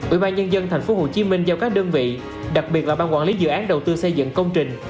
ubnd tp hcm giao các đơn vị đặc biệt là ban quản lý dự án đầu tư xây dựng công trình